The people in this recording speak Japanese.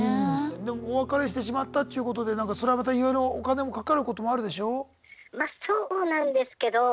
でもお別れしてしまったっちゅうことでそれはまたいろいろお金もかかることもあるでしょう？